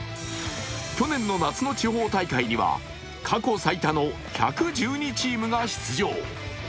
去年の夏の地方大会には過去最多の１１２チームが出場。